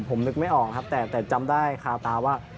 ผมนึกไม่ออกครับแต่จำได้คาตาว่า